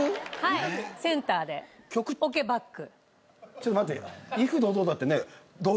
ちょっと待って。